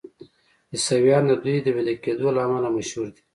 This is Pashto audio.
عیسویان د دوی د ویده کیدو له امله مشهور دي.